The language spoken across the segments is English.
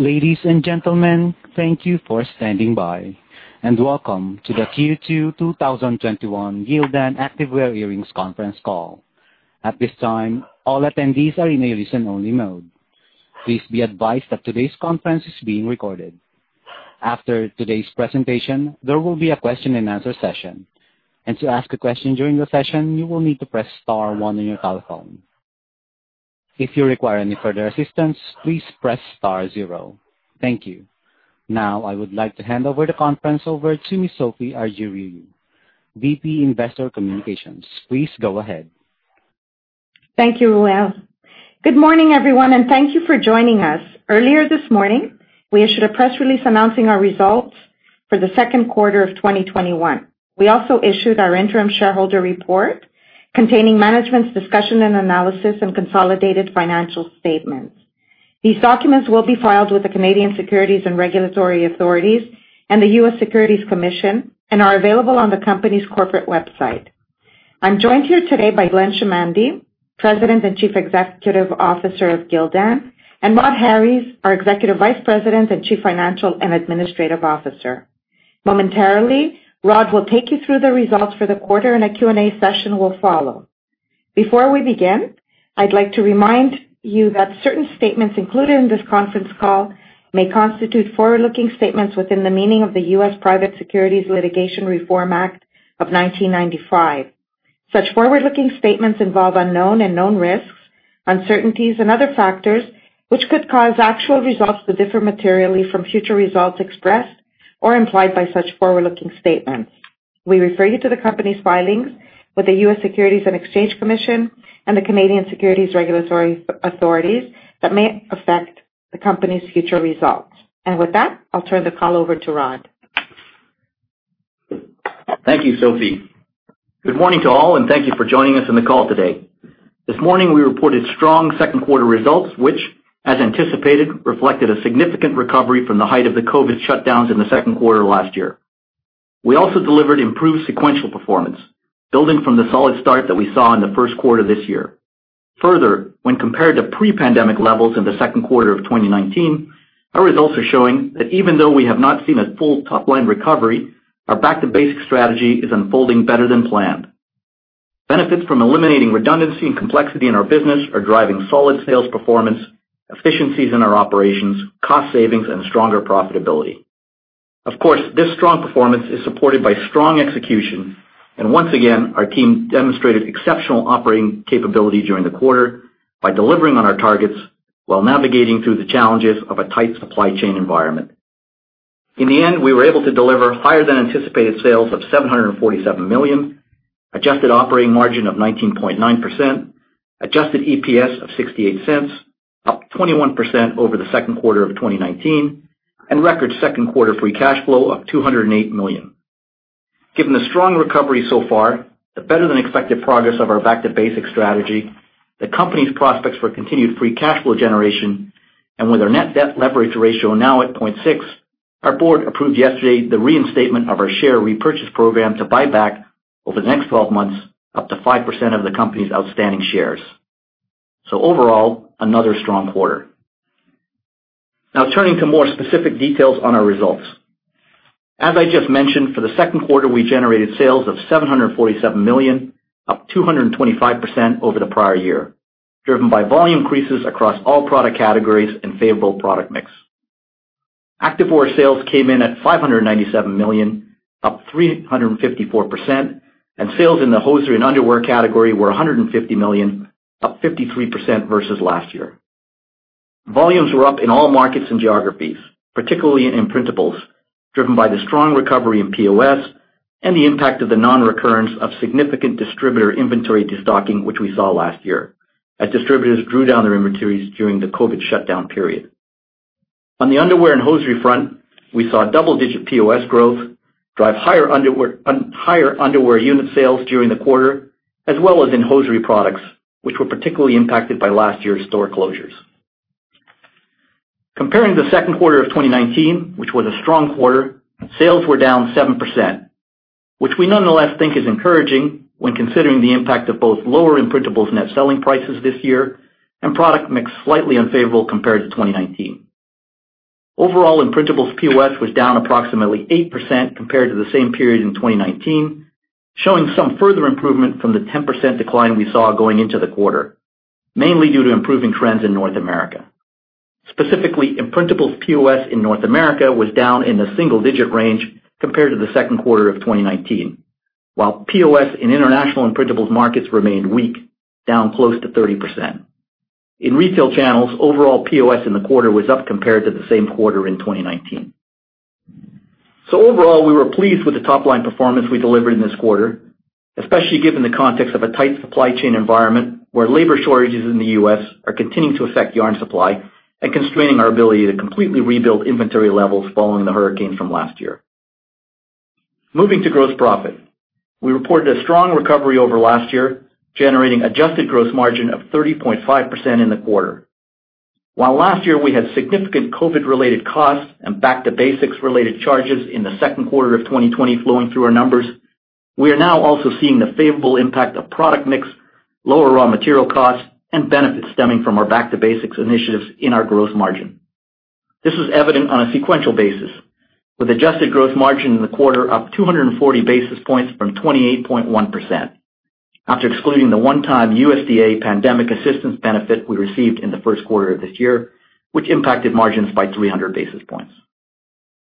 Ladies and gentlemen, thank you for standing by, and welcome to the Q2 2021 Gildan Activewear Earnings Conference Call. At this time, all attendees are in a listen-only mode. Please be advised that today's conference is being recorded. After today's presentation, there will be a question and answer session. To ask a question during the session, you will need to press star one on your telephone. If you require any further assistance, please press star zero. Thank you. Now, I would like to hand over the conference over to Ms. Sophie Argiriou, VP Investor Communications. Please go ahead. Thank you, Ruel. Good morning, everyone, and thank you for joining us. Earlier this morning, we issued a press release announcing our results for the second quarter of 2021. We also issued our interim shareholder report containing management's discussion and analysis and consolidated financial statements. These documents will be filed with the Canadian Securities Administrators and the U.S. Securities and Exchange Commission and are available on the company's corporate website. I'm joined here today by Glenn Chamandy, President and Chief Executive Officer of Gildan, and Rhod Harries, our Executive Vice President and Chief Financial and Administrative Officer. Momentarily, Rhod will take you through the results for the quarter, and a Q&A session will follow. Before we begin, I'd like to remind you that certain statements included in this conference call may constitute forward-looking statements within the meaning of the U.S. Private Securities Litigation Reform Act of 1995. Such forward-looking statements involve unknown and known risks, uncertainties, and other factors, which could cause actual results to differ materially from future results expressed or implied by such forward-looking statements. We refer you to the company's filings with the U.S. Securities and Exchange Commission and the Canadian Securities Administrators that may affect the company's future results. With that, I'll turn the call over to Rhod. Thank you, Sophie. Good morning to all, and thank you for joining us on the call today. This morning, we reported strong second quarter results, which, as anticipated, reflected a significant recovery from the height of the COVID shutdowns in the second quarter of last year. We also delivered improved sequential performance, building from the solid start that we saw in the first quarter of this year. When compared to pre-pandemic levels in the second quarter of 2019, our results are showing that even though we have not seen a full top-line recovery, our Back to Basics strategy is unfolding better than planned. Benefits from eliminating redundancy and complexity in our business are driving solid sales performance, efficiencies in our operations, cost savings, and stronger profitability. Of course, this strong performance is supported by strong execution. Once again, our team demonstrated exceptional operating capability during the quarter by delivering on our targets while navigating through the challenges of a tight supply chain environment. In the end, we were able to deliver higher than anticipated sales of $747 million, adjusted operating margin of 19.9%, adjusted EPS of $0.68, up 21% over the second quarter of 2019, and record second quarter free cash flow of $208 million. Given the strong recovery so far, the better than expected progress of our Back to Basics strategy, the company's prospects for continued free cash flow generation, and with our net debt leverage ratio now at 0.6, our board approved yesterday the reinstatement of our share repurchase program to buy back over the next 12 months up to 5% of the company's outstanding shares. Overall, another strong quarter. Now turning to more specific details on our results. As I just mentioned, for the second quarter, we generated sales of $747 million, up 225% over the prior year, driven by volume increases across all product categories and favorable product mix. Activewear sales came in at $597 million, up 354%. Sales in the hosiery and underwear category were $150 million, up 53% versus last year. Volumes were up in all markets and geographies, particularly in imprintables, driven by the strong recovery in POS and the impact of the non-recurrence of significant distributor inventory destocking, which we saw last year as distributors drew down their inventories during the COVID shutdown period. On the underwear and hosiery front, we saw double-digit POS growth drive higher underwear unit sales during the quarter, as well as in hosiery products, which were particularly impacted by last year's store closures. Comparing the second quarter of 2019, which was a strong quarter, sales were down 7%, which we nonetheless think is encouraging when considering the impact of both lower imprintables net selling prices this year and product mix slightly unfavorable compared to 2019. Overall, imprintables POS was down approximately 8% compared to the same period in 2019, showing some further improvement from the 10% decline we saw going into the quarter, mainly due to improving trends in North America. Specifically, imprintables POS in North America was down in the single-digit range compared to the second quarter of 2019. While POS in international imprintables markets remained weak, down close to 30%. In retail channels, overall POS in the quarter was up compared to the same quarter in 2019. Overall, we were pleased with the top-line performance we delivered in this quarter, especially given the context of a tight supply chain environment where labor shortages in the U.S. are continuing to affect yarn supply and constraining our ability to completely rebuild inventory levels following the hurricane from last year. Moving to gross profit. We reported a strong recovery over last year, generating adjusted gross margin of 30.5% in the quarter. While last year we had significant COVID-related costs and Back to Basics related charges in the second quarter of 2020 flowing through our numbers. We are now also seeing the favorable impact of product mix, lower raw material costs, and benefits stemming from our Back to Basics initiatives in our gross margin. This is evident on a sequential basis, with adjusted gross margin in the quarter up 240 basis points from 28.1%. After excluding the one-time USDA pandemic assistance benefit we received in the first quarter of this year, which impacted margins by 300 basis points.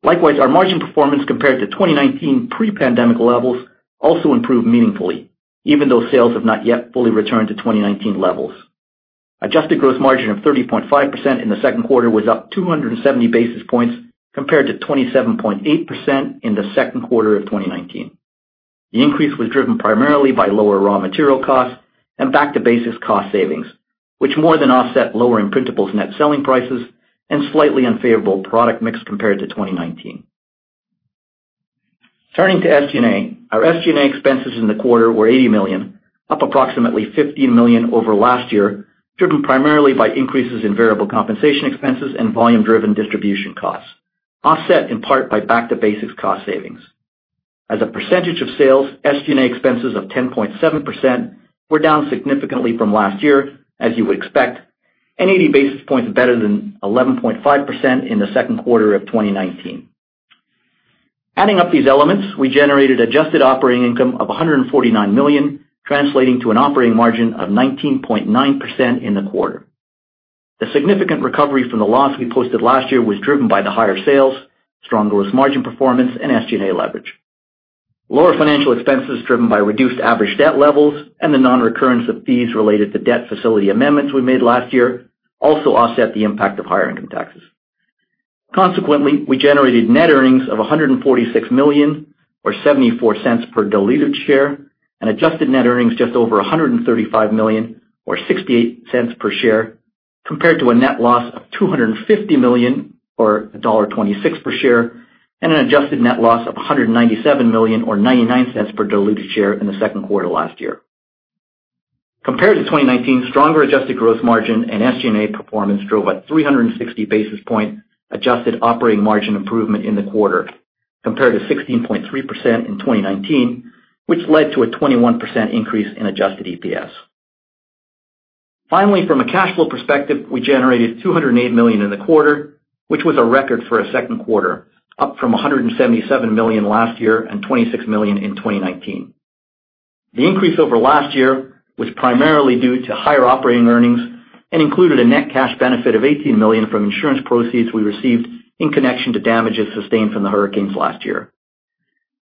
Likewise, our margin performance compared to 2019 pre-pandemic levels also improved meaningfully, even though sales have not yet fully returned to 2019 levels. Adjusted gross margin of 30.5% in the second quarter was up 270 basis points compared to 27.8% in the second quarter of 2019. The increase was driven primarily by lower raw material costs and Back to Basics cost savings, which more than offset lower imprintable net selling prices and slightly unfavorable product mix compared to 2019. Turning to SG&A. Our SG&A expenses in the quarter were $80 million, up approximately $15 million over last year, driven primarily by increases in variable compensation expenses and volume-driven distribution costs, offset in part by Back to Basics cost savings. As a percentage of sales, SG&A expenses of 10.7% were down significantly from last year, as you would expect, and 80 basis points better than 11.5% in the second quarter of 2019. Adding up these elements, we generated adjusted operating income of $149 million, translating to an operating margin of 19.9% in the quarter. The significant recovery from the loss we posted last year was driven by the higher sales, strong gross margin performance, and SG&A leverage. Lower financial expenses driven by reduced average debt levels and the non-recurrence of fees related to debt facility amendments we made last year also offset the impact of higher income taxes. We generated net earnings of $146 million, or $0.74 per diluted share, and adjusted net earnings just over $135 million or $0.68 per share, compared to a net loss of $250 million or $1.26 per share, and an adjusted net loss of $197 million or $0.99 per diluted share in the second quarter last year. Compared to 2019, stronger adjusted gross margin and SG&A performance drove a 360 basis point adjusted operating margin improvement in the quarter, compared to 16.3% in 2019, which led to a 21% increase in adjusted EPS. From a cash flow perspective, we generated $208 million in the quarter, which was a record for a second quarter, up from $177 million last year and $26 million in 2019. The increase over last year was primarily due to higher operating earnings and included a net cash benefit of $18 million from insurance proceeds we received in connection to damages sustained from the hurricanes last year.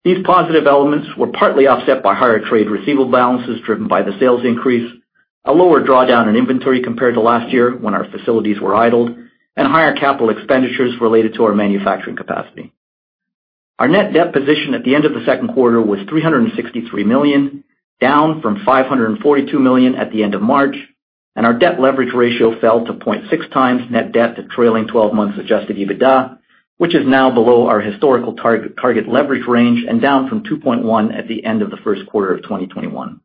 These positive elements were partly offset by higher trade receivable balances driven by the sales increase, a lower drawdown in inventory compared to last year when our facilities were idled, and higher capital expenditures related to our manufacturing capacity. Our net debt position at the end of the second quarter was $363 million, down from $542 million at the end of March, and our debt leverage ratio fell to 0.6x net debt to trailing 12 months adjusted EBITDA, which is now below our historical target leverage range and down from 2.1 at the end of the first quarter of 2021.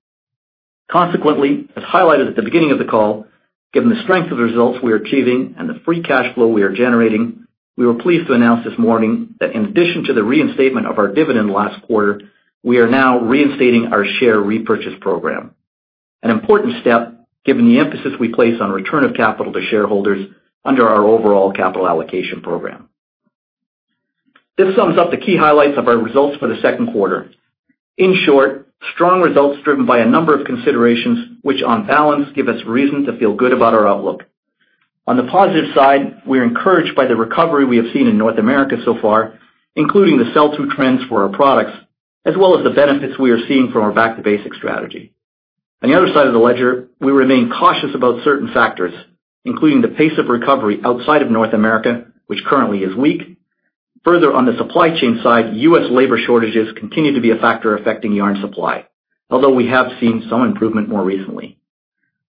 As highlighted at the beginning of the call, given the strength of the results we are achieving and the free cash flow we are generating, we were pleased to announce this morning that in addition to the reinstatement of our dividend last quarter, we are now reinstating our share repurchase program. An important step given the emphasis we place on return of capital to shareholders under our overall capital allocation program. This sums up the key highlights of our results for the second quarter. Strong results driven by a number of considerations, which on balance give us reason to feel good about our outlook. We are encouraged by the recovery we have seen in North America so far, including the sell-through trends for our products, as well as the benefits we are seeing from our Back to Basics strategy. On the other side of the ledger, we remain cautious about certain factors, including the pace of recovery outside of North America, which currently is weak. Further, on the supply chain side, U.S. labor shortages continue to be a factor affecting yarn supply, although we have seen some improvement more recently.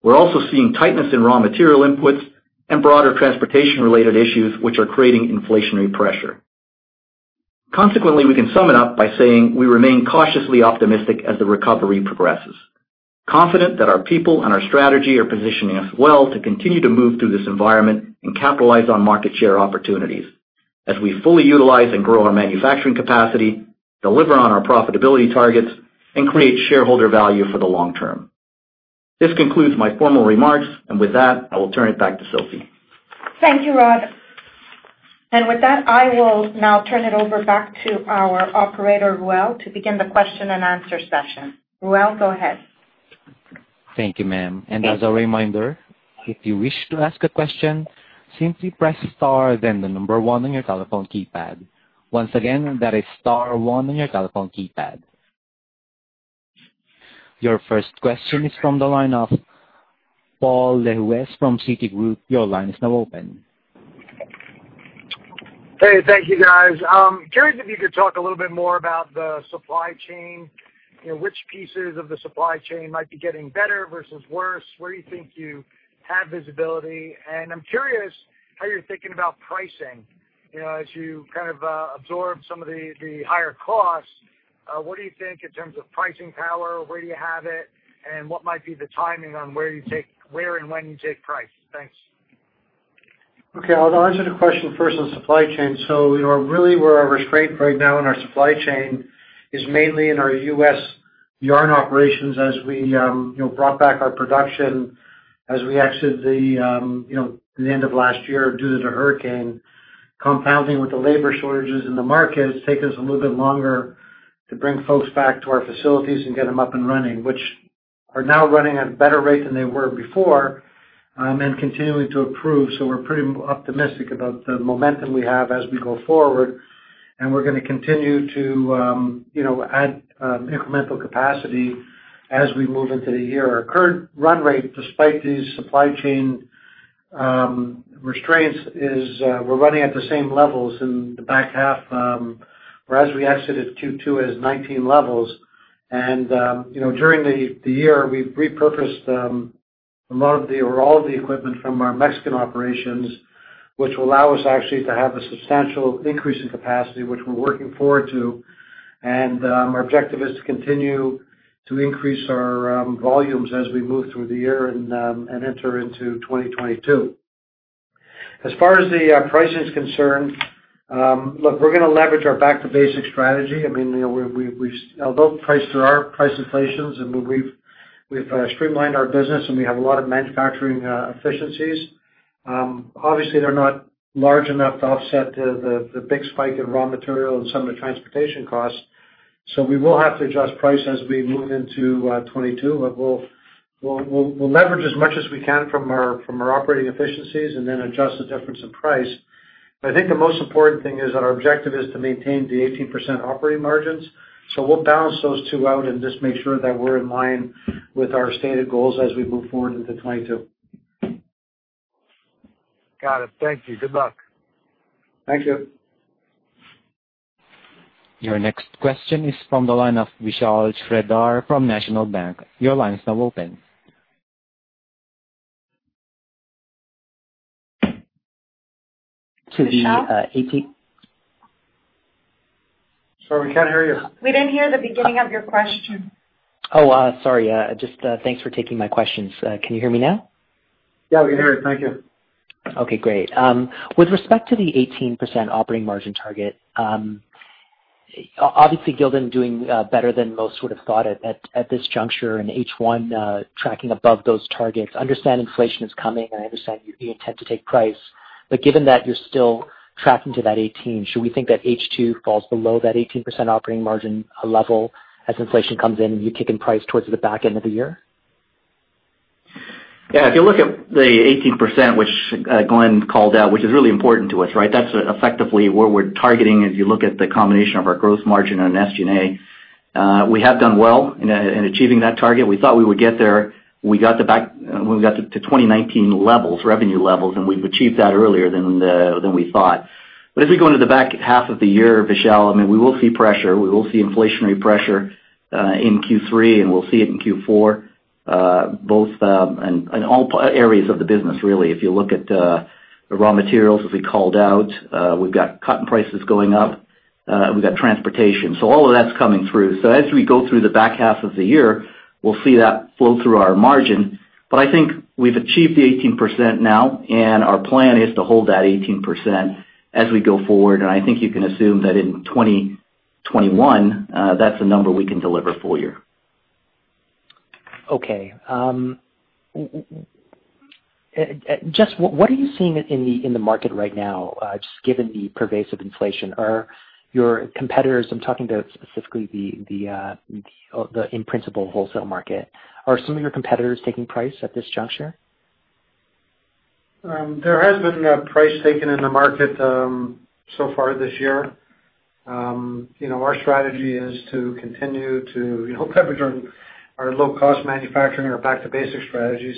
We're also seeing tightness in raw material inputs and broader transportation-related issues, which are creating inflationary pressure. Consequently, we can sum it up by saying we remain cautiously optimistic as the recovery progresses. Confident that our people and our strategy are positioning us well to continue to move through this environment and capitalize on market share opportunities as we fully utilize and grow our manufacturing capacity, deliver on our profitability targets, and create shareholder value for the long term. This concludes my formal remarks. And with that, I will turn it back to Sophie. Thank you, Rhod. With that, I will now turn it over back to our operator, Ruel, to begin the question and answer session. Ruel, go ahead. Thank you, ma'am. As a reminder, if you wish to ask a question, simply press star then the number one on your telephone keypad. Once again, that is star one on your telephone keypad. Your first question is from the line of Paul Lejuez from Citigroup. Your line is now open. Hey, thank you, guys. Curious if you could talk a little bit more about the supply chain, which pieces of the supply chain might be getting better versus worse, where you think you have visibility, and I'm curious how you're thinking about pricing as you absorb some of the higher costs. What do you think in terms of pricing power? Where do you have it, and what might be the timing on where and when you take price? Thanks. Okay. I'll answer the question first on supply chain. Really where our restraint right now in our supply chain is mainly in our U.S. yarn operations as we brought back our production as we exited the end of last year due to the hurricane. Compounding with the labor shortages in the market, it's taken us a little bit longer to bring folks back to our facilities and get them up and running, which are now running at a better rate than they were before and continuing to improve. We're pretty optimistic about the momentum we have as we go forward, and we're going to continue to add incremental capacity as we move into the year. Our current run rate, despite these supply chain restraints, is we're running at the same levels in the back half, or as we exited Q2, as 2019 levels. During the year, we've repurposed a lot of the, or all of the equipment from our Mexican operations, which will allow us actually to have a substantial increase in capacity, which we're working forward to. Our objective is to continue to increase our volumes as we move through the year and enter into 2022. As far as the pricing is concerned, look, we're going to leverage our Back to Basics strategy. Although price, there are price inflations, and we've streamlined our business, and we have a lot of manufacturing efficiencies. Obviously, they're not large enough to offset the big spike in raw material and some of the transportation costs. We will have to adjust price as we move into 2022. We'll leverage as much as we can from our operating efficiencies and then adjust the difference in price. I think the most important thing is that our objective is to maintain the 18% operating margins. We'll balance those two out and just make sure that we're in line with our stated goals as we move forward into 2022. Got it. Thank you. Good luck. Thank you. Your next question is from the line of Vishal Shreedhar from National Bank. Your line is now open. Vishal? Sorry, we can't hear you. We didn't hear the beginning of your question. Oh, sorry. Just thanks for taking my questions. Can you hear me now? Yeah, we can hear you. Thank you. Okay, great. With respect to the 18% operating margin target, obviously Gildan doing better than most would have thought at this juncture in H1, tracking above those targets. Understand inflation is coming, and I understand you intend to take price. Given that you're still tracking to that 18%, should we think that H2 falls below that 18% operating margin level as inflation comes in and you kick in price towards the back end of the year? If you look at the 18%, which Glenn called out, which is really important to us, right? That's effectively where we're targeting as you look at the combination of our growth margin and SG&A. We have done well in achieving that target. We thought we would get there. We got to 2019 levels, revenue levels, and we've achieved that earlier than we thought. As we go into the back half of the year, Vishal, we will see pressure. We will see inflationary pressure in Q3, and we'll see it in Q4, in all areas of the business, really. If you look at the raw materials, as we called out, we've got cotton prices going up, and we've got transportation. All of that's coming through. As we go through the back half of the year, we'll see that flow through our margin. I think we've achieved the 18% now, and our plan is to hold that 18% as we go forward. I think you can assume that in 2021, that's the number we can deliver full year. Okay. Just what are you seeing in the market right now, just given the pervasive inflation? Are your competitors, I'm talking about specifically the imprintables wholesale market, are some of your competitors taking price at this juncture? There has been price taken in the market so far this year. Our strategy is to continue to leverage our low-cost manufacturing, our Back to Basics strategy.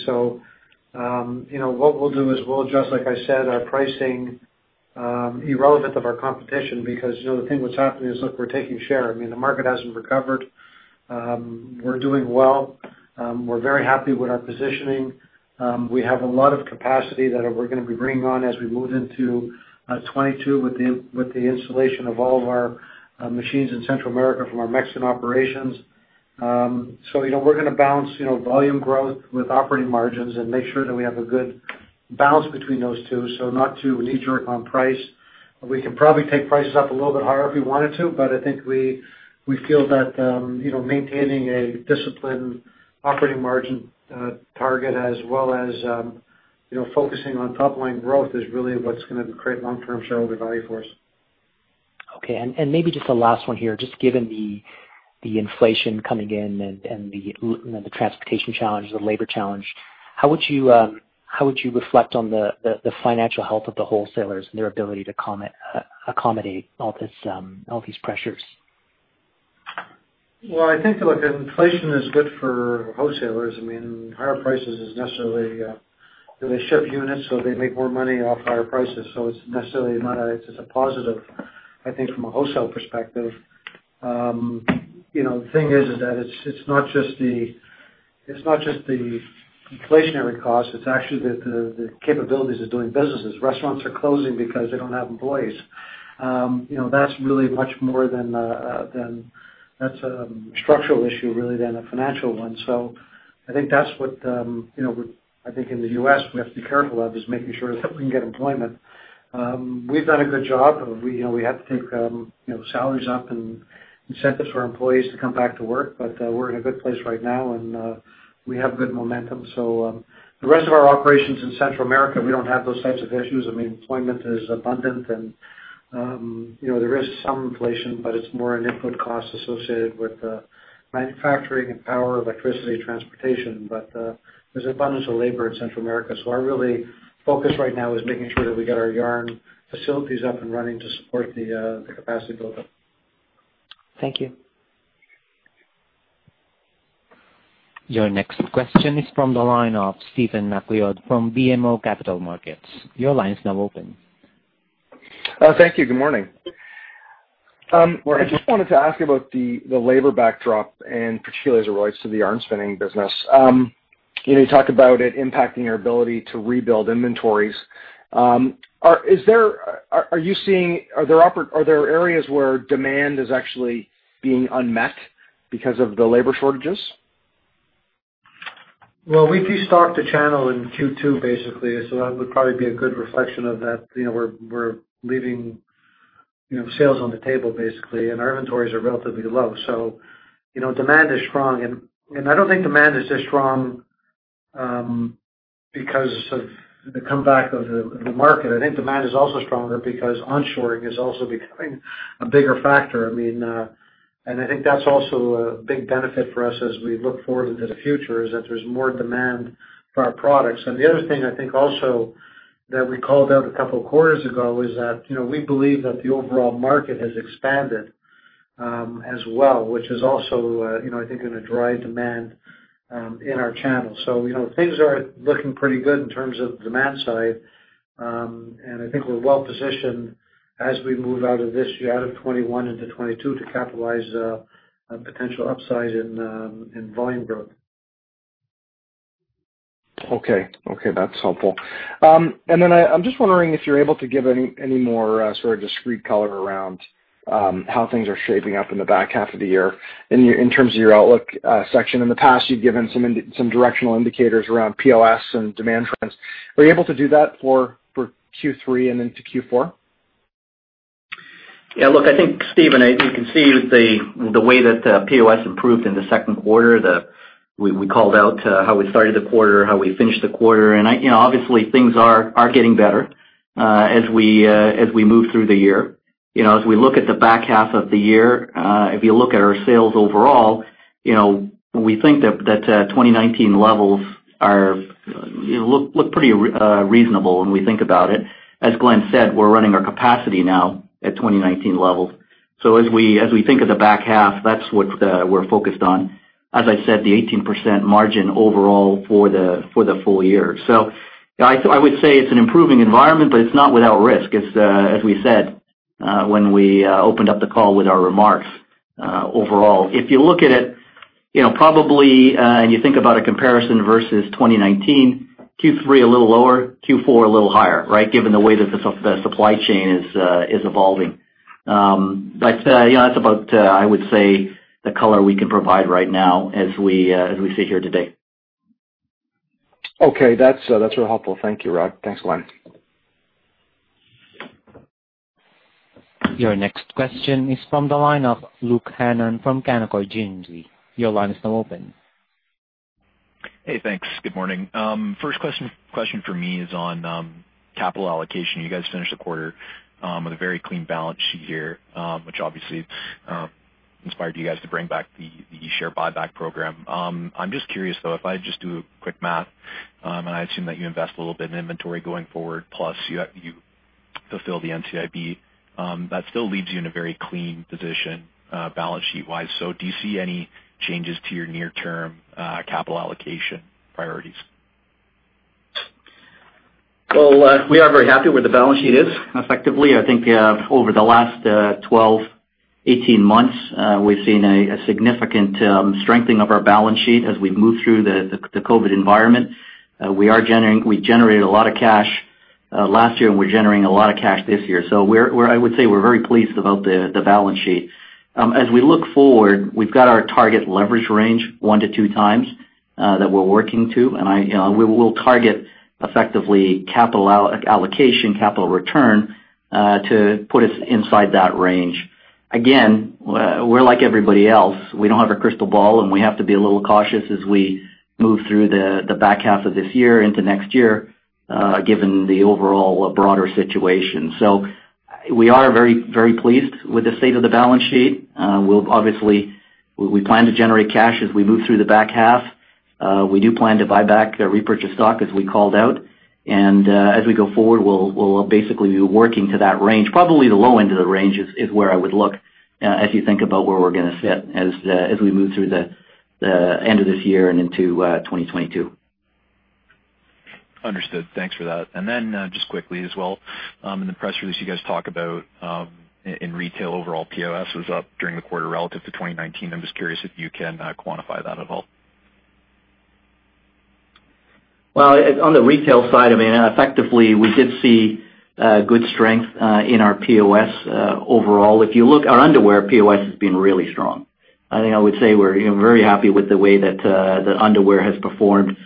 What we'll do is we'll adjust, like I said, our pricing irrelevant of our competition, because the thing what's happening is, look, we're taking share. The market hasn't recovered. We're doing well. We're very happy with our positioning. We have a lot of capacity that we're going to be bringing on as we move into 2022 with the installation of all of our machines in Central America from our Mexican operations. We're going to balance volume growth with operating margins and make sure that we have a good balance between those two, so not to knee-jerk on price. We can probably take prices up a little bit higher if we wanted to, but I think we feel that maintaining a disciplined operating margin target as well as focusing on top-line growth is really what's going to create long-term shareholder value for us. Okay. Maybe just the last one here, just given the inflation coming in and the transportation challenge, the labor challenge, how would you reflect on the financial health of the wholesalers and their ability to accommodate all these pressures? Well, I think, look, inflation is good for wholesalers. Higher prices is necessarily They ship units, so they make more money off higher prices. It's necessarily a positive, I think, from a wholesale perspective. The thing is that it's not just the inflationary cost, it's actually the capabilities of doing businesses. Restaurants are closing because they don't have employees. That's really a structural issue, really, than a financial one. I think in the U.S., we have to be careful of is making sure that we can get employment. We've done a good job. We had to take salaries up and incentives for our employees to come back to work. We're in a good place right now, and we have good momentum. The rest of our operations in Central America, we don't have those types of issues. Employment is abundant, and there is some inflation, but it's more in input costs associated with manufacturing and power, electricity, transportation. There's abundance of labor in Central America. Our really focus right now is making sure that we get our yarn facilities up and running to support the capacity buildup. Thank you. Your next question is from the line of Stephen MacLeod from BMO Capital Markets. Your line is now open. Thank you. Good morning. Good morning. I just wanted to ask about the labor backdrop, and particularly as it relates to the yarn spinning business. You talked about it impacting your ability to rebuild inventories. Are there areas where demand is actually being unmet because of the labor shortages? We destocked the channel in Q2, basically. That would probably be a good reflection of that. We're leaving sales on the table, basically, and our inventories are relatively low. Demand is strong, and I don't think demand is just strong because of the comeback of the market. I think demand is also stronger because onshoring is also becoming a bigger factor. I think that's also a big benefit for us as we look forward into the future, is that there's more demand for our products. The other thing I think also that we called out a couple of quarters ago is that we believe that the overall market has expanded as well, which is also I think going to drive demand in our channels. Things are looking pretty good in terms of demand side. I think we're well positioned as we move out of this year, out of 2021 into 2022, to capitalize potential upside in volume growth. Okay. That's helpful. I'm just wondering if you're able to give any more sort of discrete color around how things are shaping up in the back half of the year in terms of your outlook section. In the past, you've given some directional indicators around POS and demand trends. Were you able to do that for Q3 and into Q4? Yeah, look, I think, Stephen, you can see the way that POS improved in the second quarter. We called out how we started the quarter, how we finished the quarter. Obviously things are getting better as we move through the year. As we look at the back half of the year, if you look at our sales overall, we think that 2019 levels look pretty reasonable when we think about it. As Glenn said, we're running our capacity now at 2019 levels. As we think of the back half, that's what we're focused on. As I said, the 18% margin overall for the full year. I would say it's an improving environment, but it's not without risk, as we said when we opened up the call with our remarks overall. If you look at it, probably, and you think about a comparison versus 2019, Q3 a little lower, Q4 a little higher, given the way that the supply chain is evolving. That's about, I would say, the color we can provide right now as we sit here today. Okay. That's real helpful. Thank you, Rhod. Thanks, Glenn. Your next question is from the line of Luke Hannan from Canaccord Genuity. Your line is now open. Hey, thanks. Good morning. First question for me is on capital allocation. You guys finished the quarter with a very clean balance sheet here, which obviously inspired you guys to bring back the share buyback program. I'm just curious, though, if I just do quick math, and I assume that you invest a little bit in inventory going forward, plus you fulfill the NCIB. That still leaves you in a very clean position balance sheet wise. Do you see any changes to your near term capital allocation priorities? Well, we are very happy where the balance sheet is effectively. I think over the last 12, 18 months, we've seen a significant strengthening of our balance sheet as we've moved through the COVID environment. We generated a lot of cash last year, and we're generating a lot of cash this year. I would say we're very pleased about the balance sheet. As we look forward, we've got our target leverage range one to two times that we're working to, and we will target effectively capital allocation, capital return to put us inside that range. Again, we're like everybody else. We don't have a crystal ball, and we have to be a little cautious as we move through the back half of this year into next year given the overall broader situation. We are very pleased with the state of the balance sheet. We plan to generate cash as we move through the back half. We do plan to buy back repurchase stock as we called out, and as we go forward, we'll basically be working to that range. Probably the low end of the range is where I would look as you think about where we're going to sit as we move through the end of this year and into 2022. Understood. Thanks for that. Then just quickly as well, in the press release you guys talk about in retail overall, POS was up during the quarter relative to 2019. I'm just curious if you can quantify that at all. On the retail side, effectively, we did see good strength in our POS overall. If you look, our underwear POS has been really strong. I think I would say we're very happy with the way that underwear has performed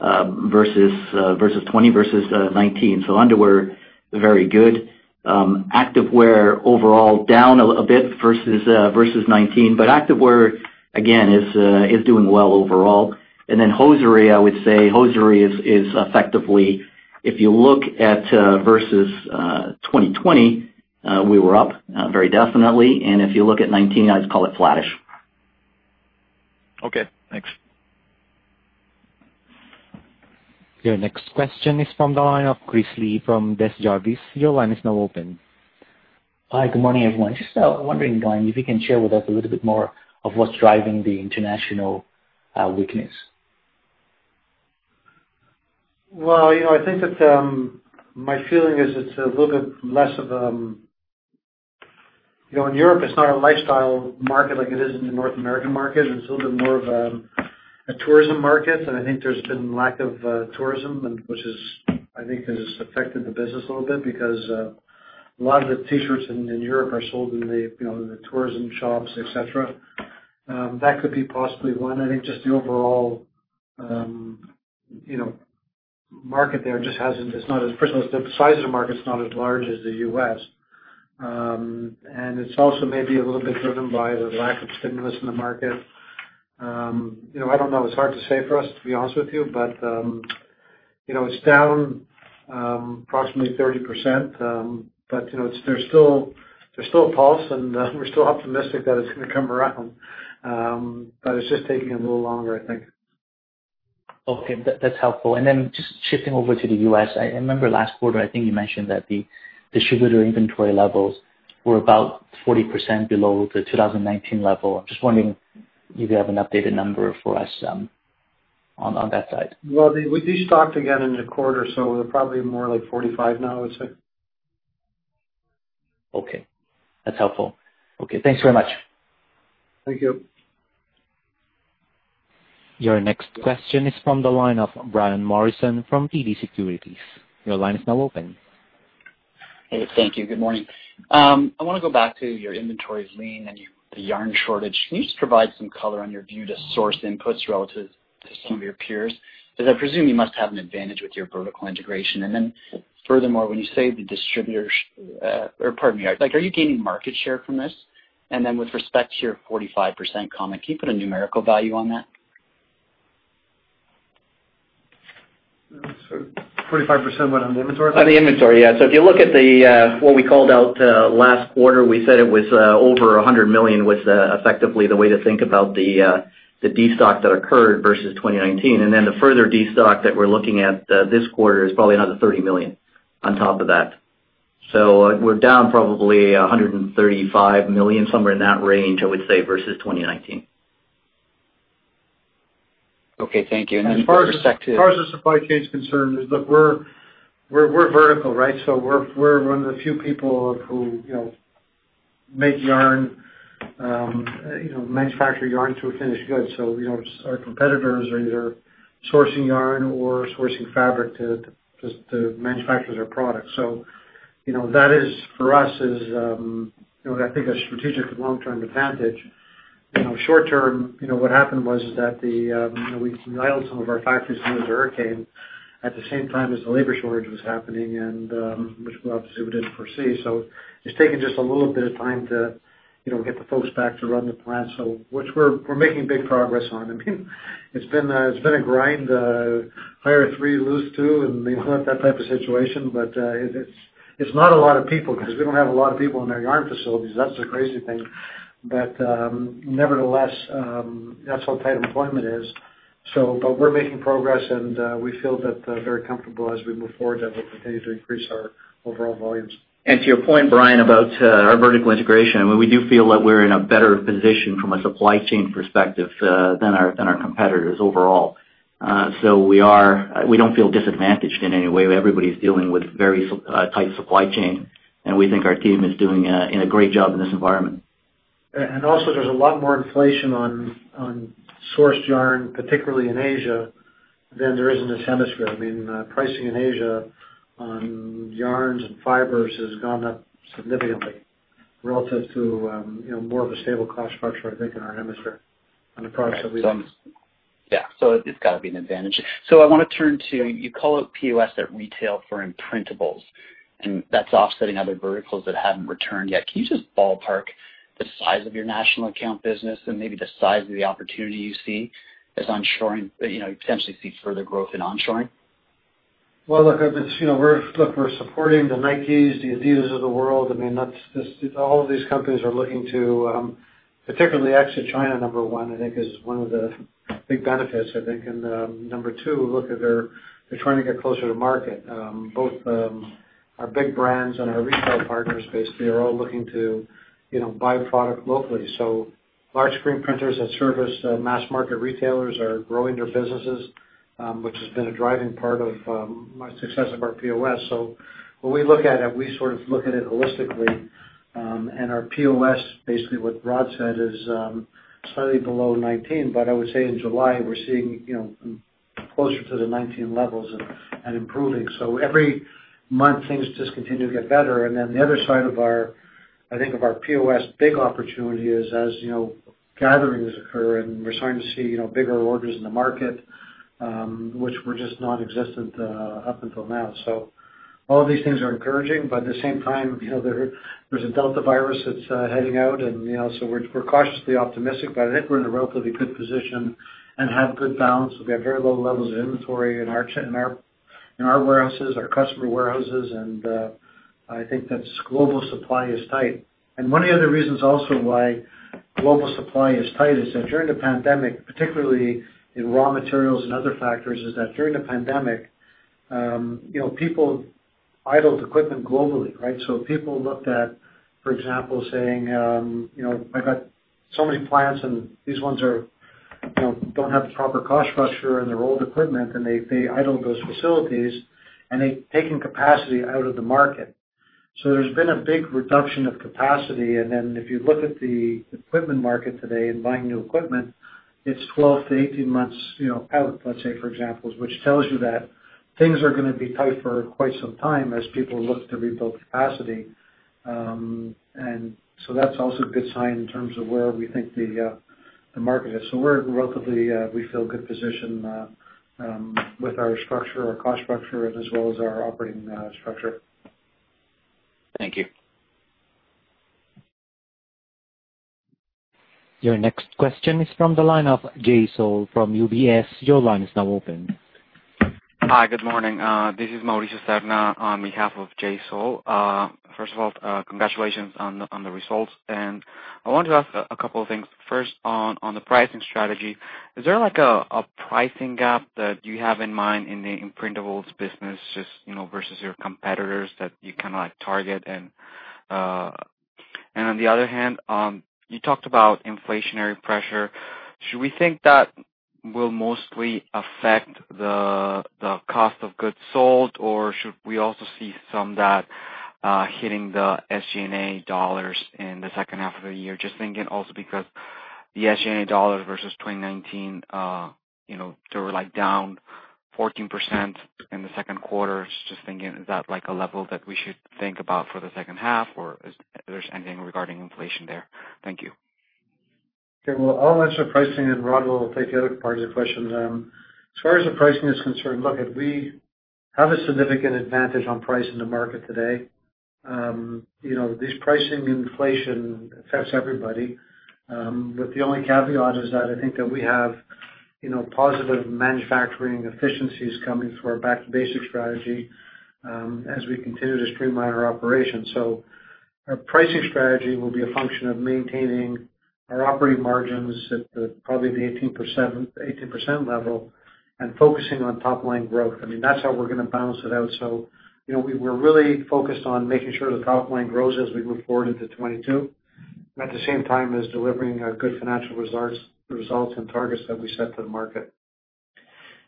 versus 2020 versus 2019. Underwear, very good. Activewear overall down a bit versus 2019. Activewear, again, is doing well overall. Hosiery, I would say hosiery is effectively, if you look at versus 2020, we were up very definitely. If you look at 2019, I'd call it flattish. Okay, thanks. Your next question is from the line of Chris Li from Desjardins. Your line is now open. Hi, good morning, everyone. Just wondering, Glenn, if you can share with us a little bit more of what's driving the international weakness? My feeling is in Europe, it's not a lifestyle market like it is in the North American market. It's a little bit more of a tourism market. I think there's been lack of tourism, which I think has affected the business a little bit because a lot of the T-shirts in Europe are sold in the tourism shops, et cetera. That could be possibly one. I think just the overall market there, first of all, the size of the market is not as large as the U.S. It's also maybe a little bit driven by the lack of stimulus in the market. I don't know. It's hard to say for us, to be honest with you. It's down approximately 30%, but there's still a pulse, and we're still optimistic that it's going to come around. It's just taking a little longer, I think. Okay. That's helpful. Just shifting over to the U.S. I remember last quarter, I think you mentioned that the distributor inventory levels were about 40% below the 2019 level. I'm just wondering if you have an updated number for us on that side. Well, we destocked again in the quarter, so we're probably more like 45% now, I would say. Okay. That's helpful. Okay, thanks very much. Thank you. Your next question is from the line of Brian Morrison from TD Securities. Your line is now open. Hey, thank you. Good morning. I want to go back to your inventories lean and the yarn shortage. Can you just provide some color on your view to source inputs relative to some of your peers? Because I presume you must have an advantage with your vertical integration. Furthermore, or pardon me, are you gaining market share from this? With respect to your 45% comment, can you put a numerical value on that? 45% what? On the inventory? On the inventory, yeah. If you look at what we called out last quarter, we said it was over $100 million, was effectively the way to think about the destock that occurred versus 2019. The further destock that we're looking at this quarter is probably another $30 million on top of that. We're down probably $135 million, somewhere in that range, I would say, versus 2019. Okay, thank you. As far as the supply chain is concerned, look, we're vertical, right? We're one of the few people who make yarn, manufacture yarn to a finished good. Our competitors are either sourcing yarn or sourcing fabric to manufacture their products. That for us is, I think, a strategic long-term advantage. Short-term, what happened was that we idled some of our factories during the hurricane at the same time as the labor shortage was happening, which obviously we didn't foresee. It's taken just a little bit of time to get the folks back to run the plant, which we're making big progress on. I mean, it's been a grind. Hire three, lose two, and that type of situation. It's not a lot of people because we don't have a lot of people in our yarn facilities. That's the crazy thing. Nevertheless, that's how tight employment is. We're making progress, and we feel very comfortable as we move forward that we'll continue to increase our overall volumes. To your point, Brian, about our vertical integration, we do feel that we're in a better position from a supply chain perspective than our competitors overall. We don't feel disadvantaged in any way. Everybody's dealing with very tight supply chain, and we think our team is doing a great job in this environment. Also, there's a lot more inflation on sourced yarn, particularly in Asia, than there is in this hemisphere. Pricing in Asia on yarns and fibers has gone up significantly relative to more of a stable cost structure, I think, in our hemisphere on the products that we use. Yeah. It's got to be an advantage. I want to turn to, you call out POS at retail for imprintables, and that's offsetting other verticals that haven't returned yet. Can you just ballpark the size of your national account business and maybe the size of the opportunity you see as potentially see further growth in onshoring? Look, we're supporting the Nike, the Adidas of the world. All of these companies are looking to, particularly exit China, number one, I think is one of the big benefits. Number two, look, they're trying to get closer to market. Both our big brands and our retail partners, basically, are all looking to buy product locally. Large screen printers that service mass market retailers are growing their businesses, which has been a driving part of my success of our POS. When we look at it, we sort of look at it holistically. Our POS, basically what Rhod said, is slightly below 2019. I would say in July, we're seeing closer to the 2019 levels and improving. Every month, things just continue to get better. The other side of our POS big opportunity is, as gatherings occur and we're starting to see bigger orders in the market, which were just non-existent up until now. All these things are encouraging, but at the same time, there's a Delta virus that's heading out, we're cautiously optimistic. I think we're in a relatively good position and have good balance. We have very low levels of inventory in our warehouses, our customer warehouses, and I think that global supply is tight. One of the other reasons also why global supply is tight is that during the pandemic, particularly in raw materials and other factors, is that during the pandemic, people idled equipment globally, right? People looked at, for example, saying, "I've got so many plants, and these ones don't have the proper cost structure, and they're old equipment," and they idled those facilities, and they've taken capacity out of the market. There's been a big reduction of capacity, and then if you look at the equipment market today and buying new equipment, it's 12-18 months out, let's say, for example, which tells you that things are going to be tight for quite some time as people look to rebuild capacity. That's also a good sign in terms of where we think the market is. We're at a relatively, we feel, good position with our structure, our cost structure, as well as our operating structure. Thank you. Your next question is from the line of Jay Sole from UBS. Your line is now open. Hi. Good morning. This is Mauricio Serna on behalf of Jay Sole. First of all, congratulations on the results. I wanted to ask a couple of things. First, on the pricing strategy, is there a pricing gap that you have in mind in the imprintables business just versus your competitors that you kind of like target? On the other hand, you talked about inflationary pressure. Should we think that will mostly affect the cost of goods sold, or should we also see some that hitting the SG&A dollars in the second half of the year? Just thinking also because the SG&A dollars versus 2019, they were down 14% in the second quarter. Just thinking, is that a level that we should think about for the second half, or if there's anything regarding inflation there. Thank you. Okay. Well, I'll answer pricing. Rhod will take the other part of your question. As far as the pricing is concerned, look, we have a significant advantage on pricing the market today. This pricing inflation affects everybody, with the only caveat is that I think that we have positive manufacturing efficiencies coming through our Back to Basics strategy as we continue to streamline our operations. Our pricing strategy will be a function of maintaining our operating margins at probably the 18% level and focusing on top-line growth. That's how we're going to balance it out. We're really focused on making sure the top line grows as we move forward into 2022, and at the same time as delivering our good financial results and targets that we set to the market.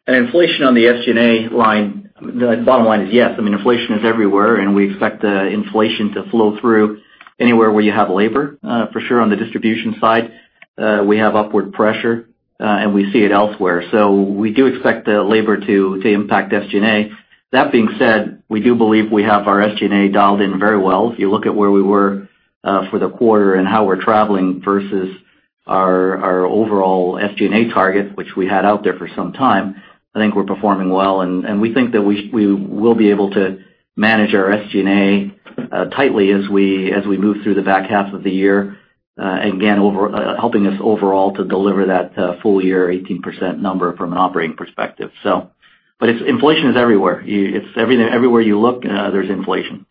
Inflation on the SG&A line, the bottom line is, yes. Inflation is everywhere, and we expect the inflation to flow through anywhere where you have labor. For sure, on the distribution side we have upward pressure, and we see it elsewhere. We do expect the labor to impact SG&A. That being said, we do believe we have our SG&A dialed in very well. If you look at where we were for the quarter and how we're traveling versus our overall SG&A target, which we had out there for some time, I think we're performing well, and we think that we will be able to manage our SG&A tightly as we move through the back half of the year. Again, helping us overall to deliver that full year 18% number from an operating perspective. Inflation is everywhere. Everywhere you look, there's inflation.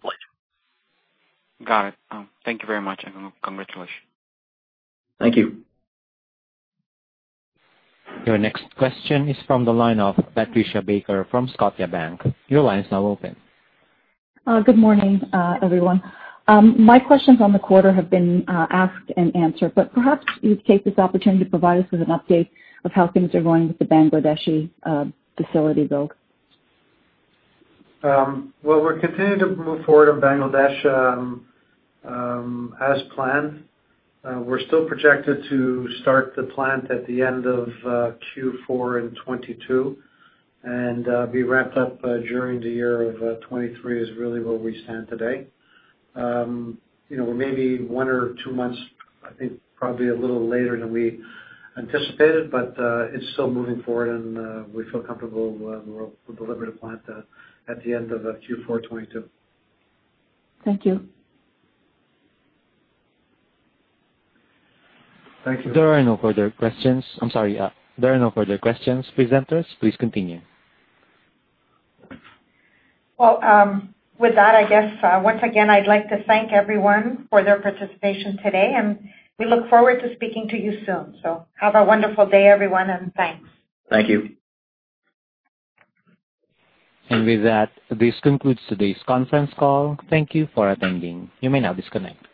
Got it. Thank you very much, and congratulations. Thank you. Your next question is from the line of Patricia Baker from Scotiabank. Your line is now open. Good morning, everyone. My questions on the quarter have been asked and answered, but perhaps you'd take this opportunity to provide us with an update of how things are going with the Bangladeshi facility build? Well, we're continuing to move forward on Bangladesh as planned. We're still projected to start the plant at the end of Q4 in 2022, and be wrapped up during the year of 2023 is really where we stand today. We may be one or two months, I think, probably a little later than we anticipated, but it's still moving forward, and we feel comfortable we'll deliver the plant at the end of Q4 2022. Thank you. Thank you. There are no further questions. I'm sorry. There are no further questions. Presenters, please continue. Well, with that, I guess, once again, I’d like to thank everyone for their participation today, and we look forward to speaking to you soon. Have a wonderful day, everyone, and thanks. Thank you. With that, this concludes today's conference call. Thank you for attending. You may now disconnect.